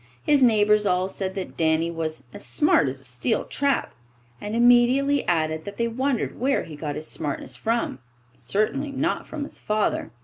His neighbours all said that Danny was "as smart as a steel trap," and immediately added that they wondered where he got his smartness from certainly not from his father!